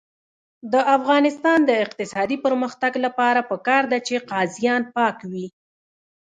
د افغانستان د اقتصادي پرمختګ لپاره پکار ده چې قاضیان پاک وي.